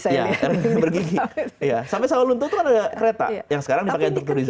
iya bergigi sampai sawalunto itu kan ada kereta yang sekarang dipakai untuk turisme